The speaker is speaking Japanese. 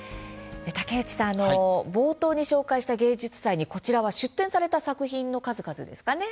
竹内さん冒頭に紹介した芸術祭にこちらは出展された作品の数々ですかね？